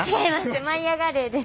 「舞いあがれ！」です。